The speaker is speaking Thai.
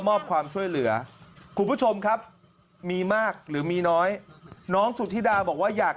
มอบความช่วยเหลือคุณผู้ชมครับมีมากหรือมีน้อยน้องสุธิดาบอกว่าอยาก